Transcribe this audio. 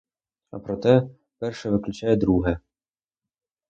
А проте, перше виключає друге.